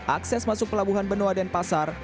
akses masuk pelabuhan benua dan pasar